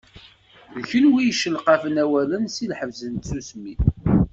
D kunwi i d-yeccelqafen awalen seg lḥebs n tsusmi.